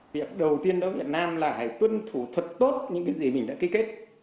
việc đầu tiên đối với việt nam là hãy tuân thủ thuật tốt những cái gì mình đã ký kết